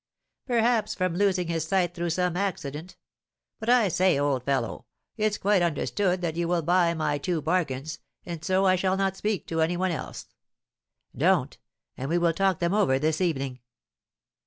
"Perhaps from losing his sight through some accident. But I say, old fellow, it's quite understood that you will buy my two bargains, and so I shall not speak to any one else." "Don't; and we will talk them over this evening."